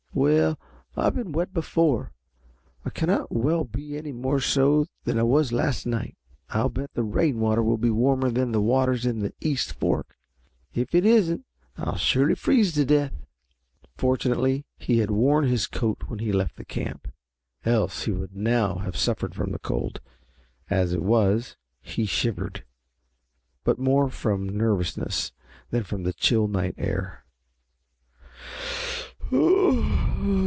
"Well, I've been wet before. I cannot well be any more so than I was last night. I'll bet the rainwater will be warmer than the waters in the East Fork. If it isn't I'll surely freeze to death." Fortunately he had worn his coat when he left the camp, else he would now have suffered from the cold. As it was, he shivered, but more from nervousness than from the chill night air.